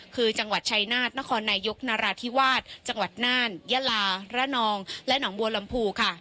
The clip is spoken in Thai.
คือจังหวัดชัยนาธนครนายกนราธิวาสจังหวัดน่านยะลาระนองและหนองบัวลำพูค่ะ